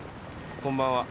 こんばんは。